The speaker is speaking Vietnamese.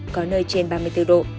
có nơi trên ba mươi bốn độ